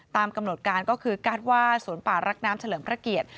ตามกำหนดการก็คือการ์ดว่าสวนป่ารักน้ำเฉลิมพระเกียรติ